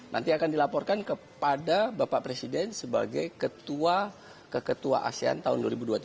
nanti akan dilaporkan kepada bapak presiden sebagai ketua asean tahun dua ribu dua puluh tiga